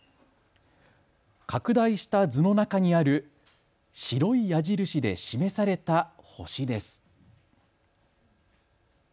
拡大した図の中にある白い矢印で示された星です。